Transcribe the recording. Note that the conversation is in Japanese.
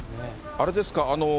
あれですか？